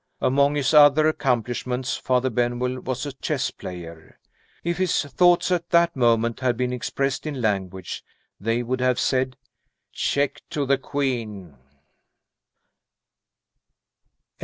Among his other accomplishments, Father Benwell was a chess player. If his thoughts at that moment had been expressed in language, they would have said, "Check to the queen."